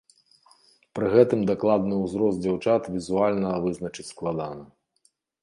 Пры гэтым дакладны ўзрост дзяўчат візуальна вызначыць складана.